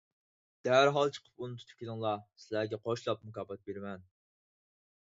دەرھال چىقىپ ئۇنى تۇتۇپ كېلىڭلار. سىلەرگە قوشلاپ مۇكاپات بېرىمەن.